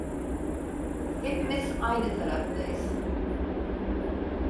Hepimiz aynı taraftayız.